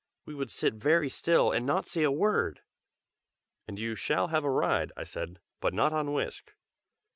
we would sit very still, and not say a word!" "And you shall have a ride," I said; "but not on Whisk.